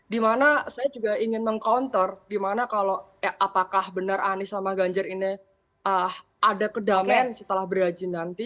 dimana saya juga ingin meng counter dimana kalau apakah benar anies sama ganjar ini ada kedamaian setelah berhaji nanti